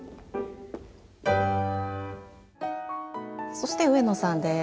そして上野さんです。